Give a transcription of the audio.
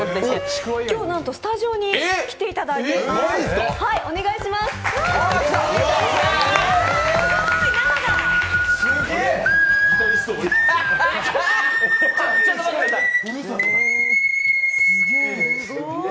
今日、なんとスタジオに来ていただいております。